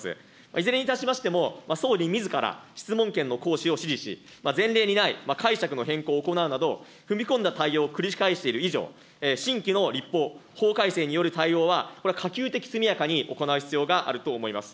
いずれにいたしましても、総理みずから質問権の行使を指示し、前例にない解釈の変更を行うなど、踏み込んだ対応を繰り返している以上、新規の立法、法改正による対応は、これ、可及的速やかに行う必要があると思います。